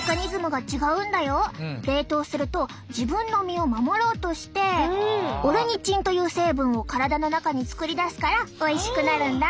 冷凍すると自分の身を守ろうとしてオルニチンという成分を体の中に作り出すからおいしくなるんだ。